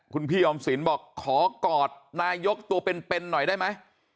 คุณพี่ออมสินบอกขอกอดนายกตัวเป็นหน่อยได้ไหม